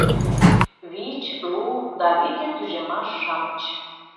Вич, лу да витле тӱжемаш-шамыч.